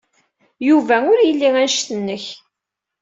Yuba ur yelli anect-nnek.